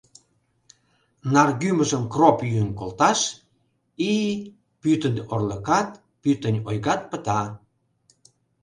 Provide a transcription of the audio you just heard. Наргӱмыжым кроп йӱын колташ и... пӱтынь орлыкат, пӱтынь ойгат пыта...